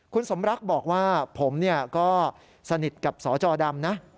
คุณสมรักบอกว่าผมก็สนิทกับสจดำนะ